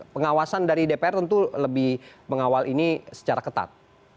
pengawasan dari dpr tentu lebih mengawal ini secara ketat